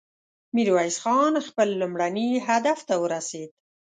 ميرويس خان خپل لومړني هدف ته ورسېد.